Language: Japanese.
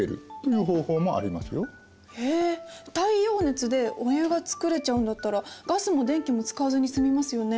太陽熱でお湯が作れちゃうんだったらガスも電気も使わずに済みますよね。